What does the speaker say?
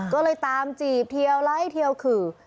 ก็เลยตามจีบเทียวไล่เทียวขื่อ